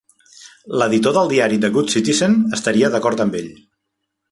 L'editor del diari "The Good Citizen" estaria d'acord amb ell.